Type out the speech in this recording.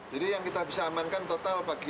jadi yang kita bisa amankan total bagi